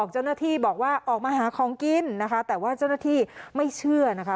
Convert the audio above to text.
เจ้าหน้าที่บอกว่าออกมาหาของกินนะคะแต่ว่าเจ้าหน้าที่ไม่เชื่อนะคะ